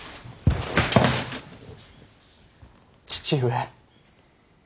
父上。